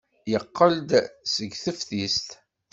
Yeqqel-d seg teftist.